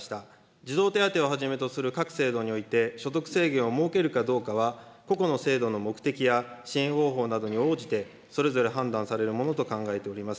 児童手当をはじめとする各制度において、所得制限を設けるかどうかは、個々の制度の目的や支援方法などに応じて、それぞれ判断されるものと考えております。